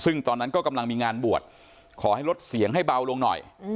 ซึ่งตอนนั้นก็กำลังมีงานบวชขอให้ลดเสียงให้เบาลงหน่อย